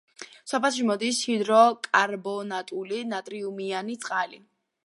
სოფელში მოდის ჰიდროკარბონატული ნატრიუმიანი წყალი.